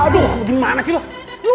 aduh gimana sih lu